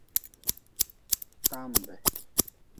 Tambe.